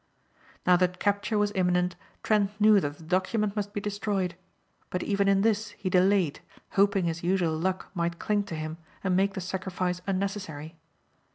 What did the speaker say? Now that capture was imminent Trent knew that the document must be destroyed. But even in this he delayed hoping his usual luck might cling to him and make the sacrifice unnecessary.